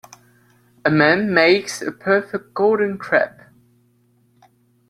A man makes a perfect, golden crepe.